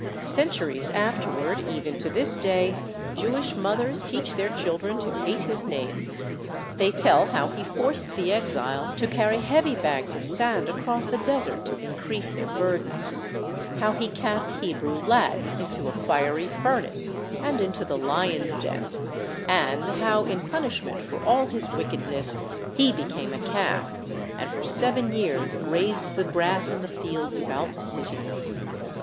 Centuries afterward, even to this day, Jewish mothers teach their children to hate his name. They tell how he forced the exiles to carry heavy bags of sand across the desert to increase their burdens; how he cast Hebrew lads into a fiery furnace and into the lions' den, and how, in punishment for all his wickedness, he became a calf, and for seven years grazed the grass in the fields about the city.